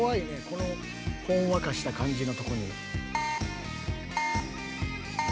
このほんわかした感じのとこに。